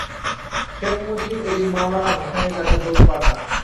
শেখ মুজিব এদিন মওলানা ভাসানীর কাছে দূত পাঠান।